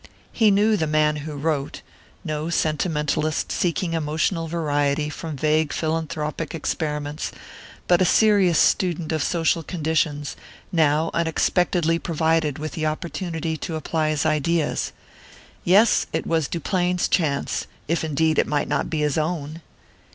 He knew the man who wrote no sentimentalist seeking emotional variety from vague philanthropic experiments, but a serious student of social conditions, now unexpectedly provided with the opportunity to apply his ideas. Yes, it was Duplain's chance if indeed it might not be his own!...